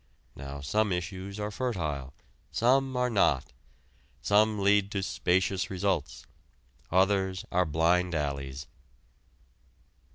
Now some issues are fertile; some are not. Some lead to spacious results; others are blind alleys.